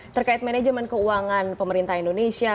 terkait manajemen keuangan pemerintah indonesia